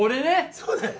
そうですね。